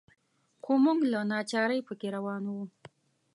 خو موږ له ناچارۍ په کې روان وو.